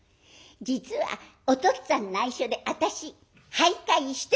「実はおとっつぁんにないしょで私俳諧してたんです」。